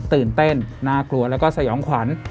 ตื่นเต้นน่ากลัวแล้วก็สยองขวัญ